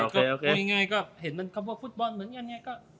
ก็เห็นคำว่าฟุตบอลเหมือนกันเนี่ย